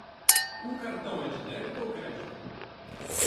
O cartão é de débito ou crédito?